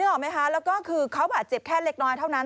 ออกไหมคะแล้วก็คือเขาบาดเจ็บแค่เล็กน้อยเท่านั้น